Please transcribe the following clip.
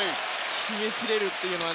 決めきれるっていうのは。